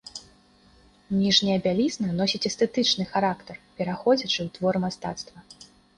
Ніжняя бялізна носіць эстэтычны характар, пераходзячы ў твор мастацтва.